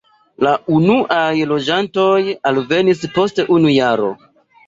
La unuaj loĝantoj alvenis post unu jaro.